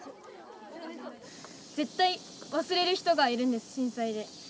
絶対忘れる人がいるんです震災で。